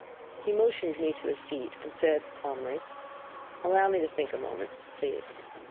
He motioned me to a seat, and said, calmly: "Allow me to think a moment, please."